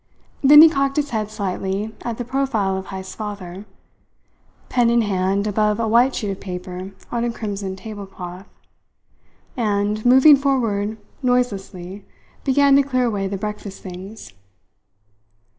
Then he cocked his head slightly at the profile of Heyst's father, pen in hand above a white sheet of paper on a crimson tablecloth; and, moving forward noiselessly, began to clear away the breakfast things.